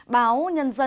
báo nhân dân số